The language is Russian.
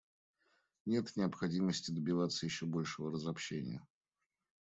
Нет необходимости добиваться еще большего разобщения.